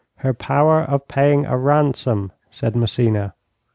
'Her power of paying a ransom,' said Massena.